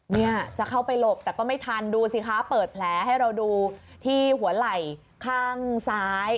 เนี่ยจะเข้าไปหลบแต่ก็ไม่ทันดูสิคะเปิดแผลให้เราดูที่หัวไหล่ข้างซ้าย